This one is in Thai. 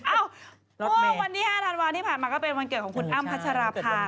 เมื่อวันที่๕ธันวาที่ผ่านมาก็เป็นวันเกิดของคุณอ้ำพัชราภา